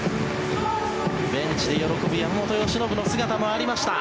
ベンチで喜ぶ山本由伸の姿もありました。